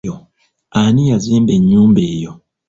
Ani yazimba ennyumba eyo?